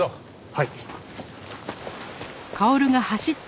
はい。